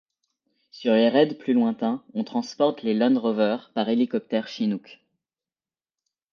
Sur les raids plus lointains, on transporte les Land Rover par hélicoptères Chinook.